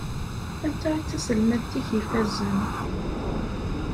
Anta i d taselmadt-ik ifazen?